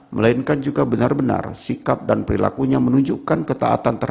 melainkan juga benar benar sikap dan perilakunya menunjukkan ketaatan